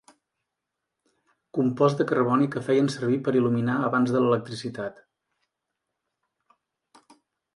Compost de carboni que feien servir per il·luminar abans de l'electricitat.